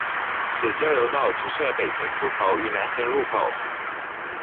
此交流道只设北行出口与南行入口。